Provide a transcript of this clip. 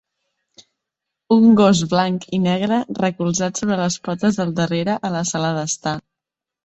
Un gos blanc i negre recolzat sobre les potes del darrere a la sala d'estar.